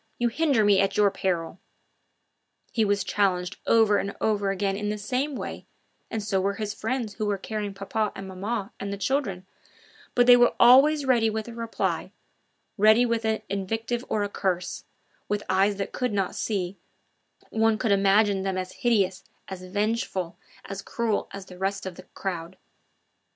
You hinder me at your peril." He was challenged over and over again in the same way, and so were his friends who were carrying papa and maman and the children; but they were always ready with a reply, ready with an invective or a curse; with eyes that could not see, one could imagine them as hideous, as vengeful, as cruel as the rest of the crowd.